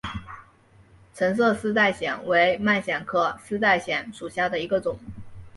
橙色丝带藓为蔓藓科丝带藓属下的一个种。